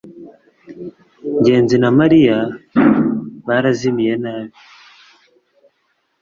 ngenzi na mariya barazimiye nabi